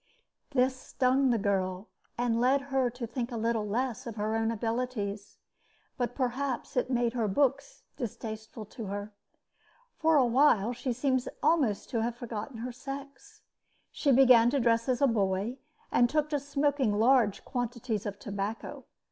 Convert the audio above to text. This stung the girl, and led her to think a little less of her own abilities; but perhaps it made her books distasteful to her. For a while she seems to have almost forgotten her sex. She began to dress as a boy, and took to smoking large quantities of tobacco.